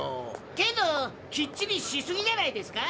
けどきっちりしすぎじゃないですか。